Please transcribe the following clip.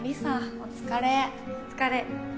お疲れ。